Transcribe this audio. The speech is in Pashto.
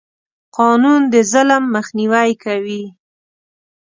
قانون د ظلم مخنیوی کوي.